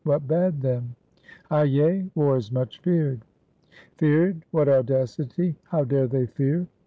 — what bad, then?" ^^Hyay! war is much feared." "Feared! what audacity! — how dare they fear?"